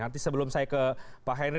nanti sebelum saya ke pak henry